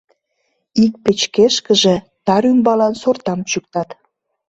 Ик печкешкыже тар ӱмбалан сортам чӱктат.